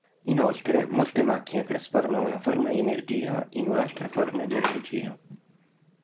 Inoltre molte macchine trasformano una forma di energia in un'altra forma di energia.